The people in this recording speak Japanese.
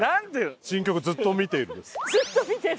新曲「ずっと見ている」です。